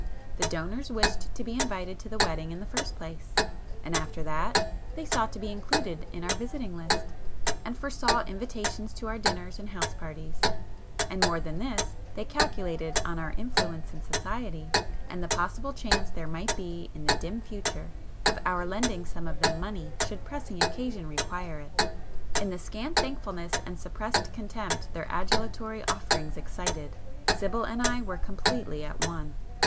The donors wished to be invited to the wedding in the first place,—after that, they sought to be included in our visiting list, and foresaw invitations to our dinners and house parties;—and [p 244] more than this they calculated on our influence in society, and the possible chance there might be in the dim future of our lending some of them money should pressing occasion require it. In the scant thankfulness and suppressed contempt their adulatory offerings excited, Sibyl and I were completely at one.